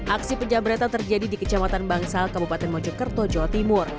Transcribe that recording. aksi penjamretan terjadi di kecamatan bangsal kabupaten mojokerto jawa timur